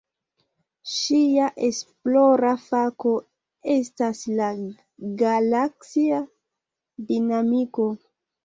Ŝia esplora fako estas la galaksia dinamiko.